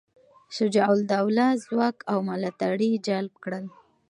شجاع الدوله ځواک او ملاتړي جلب کړل.